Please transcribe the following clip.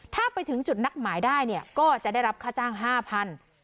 ถ้าไปถึงจุดนัดหมายได้เนี่ยก็จะได้รับค่าจ้าง๕๐๐บาท